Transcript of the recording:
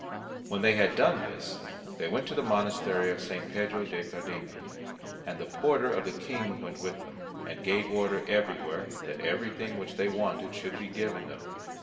When they had done this, they went to the monastery of St. Pedro de Cardena, and the porter of the King went with them, and gave order everywhere that everything which they wanted should be given them.